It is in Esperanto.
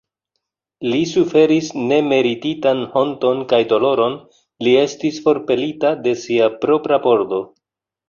Li suferis nemerititan honton kaj doloron, li estis forpelita de sia propra pordo.